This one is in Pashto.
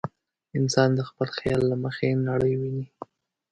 انسان د خپل خیال له مخې نړۍ ویني.